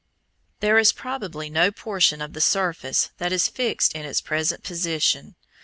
There is probably no portion of the surface that is fixed in its present position.